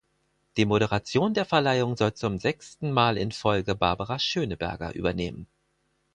Die Moderation der Verleihung soll zum sechsten Mal in Folge Barbara Schöneberger übernehmen.